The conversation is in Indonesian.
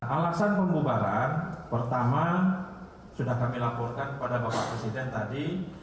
alasan pembubaran pertama sudah kami laporkan kepada bapak presiden tadi